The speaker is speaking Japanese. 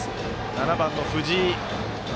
７番の藤井。